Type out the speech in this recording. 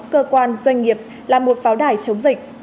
cơ quan doanh nghiệp là một pháo đài chống dịch